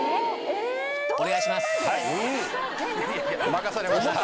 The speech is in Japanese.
任されました